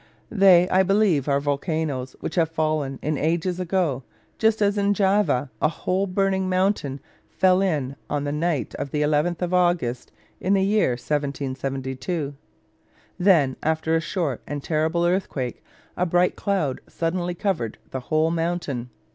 They, I believe, are volcanos which have fallen in ages ago: just as in Java a whole burning mountain fell in on the night of the 11th of August, in the year 1772. Then, after a short and terrible earthquake, a bright cloud suddenly covered the whole mountain.